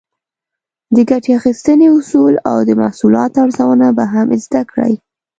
د ګټې اخیستنې اصول او د محصولاتو ارزونه به هم زده کړئ.